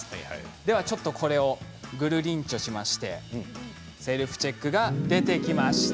ではちょっとこれをぐるりんちょしましてセルフチェックが出てきました。